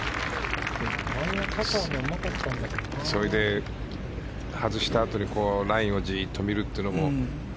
それで外したあとにラインをじっと見るのも。